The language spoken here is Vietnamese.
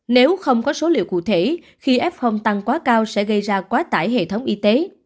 nếu không có số liệu cụ thể khi f tăng quá cao sẽ gây ra quá tải hệ thống y tế